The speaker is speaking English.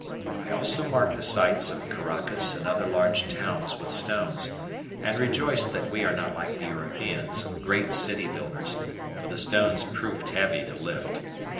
I also marked the sites of Caracas and other large towns with stones; and rejoiced that we are not like the Europeans, great city builders, for the stones proved heavy to lift.